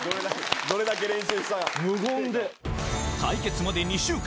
対決まで２週間。